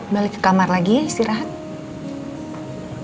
balik ke kamar lagi ya istirahat